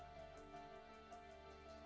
aku mau ke rumah